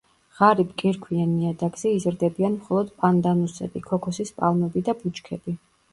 ღარიბ კირქვიან ნიადაგზე იზრდებიან მხოლოდ პანდანუსები, ქოქოსის პალმები და ბუჩქები.